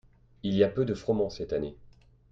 Il y a peu de froment cette année.